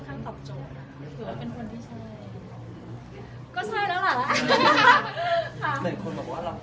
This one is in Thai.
ก็เขาก็ค่อนข้างต่อเล็งจบนะคะ